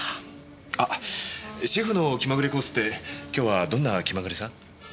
あっ「シェフの気まぐれコース」って今日はどんな気まぐれさん？